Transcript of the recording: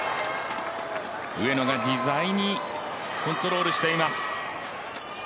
上野が自在にコントロールしています。